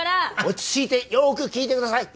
落ち着いてよく聞いてください。